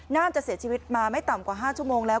น่าจะเสียชีวิตมาไม่ต่ำกว่า๕ชั่วโมงแล้ว